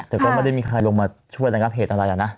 แต่ก็ไม่ได้มีใครลงมาช่วยระงับเหตุอะไรนะ